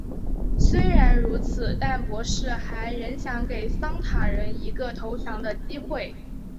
虽然如此但博士还想给桑塔人一个投降的机会。